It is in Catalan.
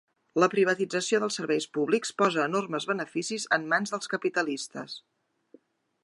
La privatització dels serveis públics posa enormes beneficis en mans dels capitalistes.